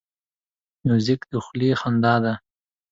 موزیک د خولې خندا ده.